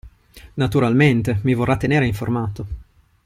Naturalmente, mi vorrà tenere informato.